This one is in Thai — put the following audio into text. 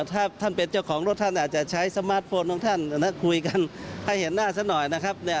ถ้าท่านเป็นเจ้าของรถท่านอาจจะใช้สมาร์ทโฟนของท่านคุยกันให้เห็นหน้าซะหน่อยนะครับ